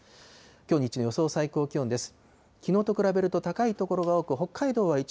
きょう日中の予想最高気温です。